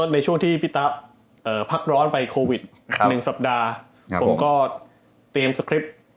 ในช่วงที่พี่ตาพักร้อนไปโควิด๑สัปดาห์